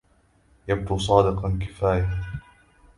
يبدو صادقاً كفاية.